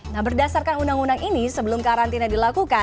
nah berdasarkan undang undang ini sebelum karantina dilakukan